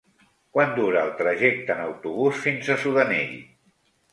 Quant dura el trajecte en autobús fins a Sudanell?